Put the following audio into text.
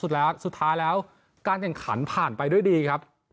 สุดท้ายแล้วการแข่งขันผ่านไปด้วยดีครับ